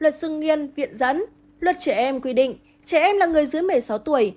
luật sư nguyên viện dẫn luật trẻ em quy định trẻ em là người dưới một mươi sáu tuổi